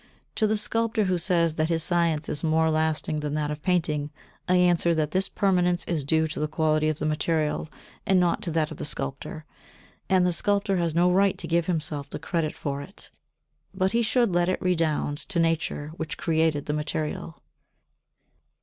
To the sculptor who says that his science is more lasting than that of painting, I answer that this permanence is due to the quality of the material and not to that of the sculptor, and the sculptor has no right to give himself the credit for it, but he should let it redound to nature which created the material.